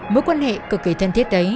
mối quan hệ cực kỳ thân thiết đấy